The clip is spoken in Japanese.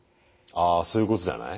あそういうことじゃない？